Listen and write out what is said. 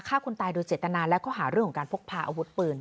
ฆ่าคนตายโดยเจตนาและข้อหาเรื่องของการพกพาอาวุธปืน